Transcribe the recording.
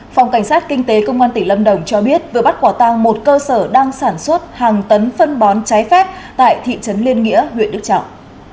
phòng cảnh sát kinh tế công an tỉnh lâm đồng cho biết vừa bắt quả tang một cơ sở đang sản xuất hàng tấn phân bón trái phép tại thị trấn liên nghĩa huyện đức trọng